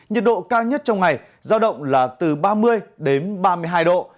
nhiệt độ cao nhất trong ngày giao động là từ ba mươi đến ba mươi hai độ